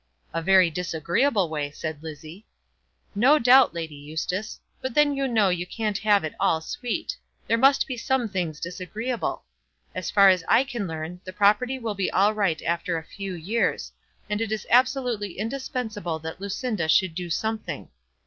"A very disagreeable way," said Lizzie. "No doubt, Lady Eustace. But then you know you can't have it all sweet. There must be some things disagreeable. As far as I can learn, the property will be all right after a few years, and it is absolutely indispensable that Lucinda should do something.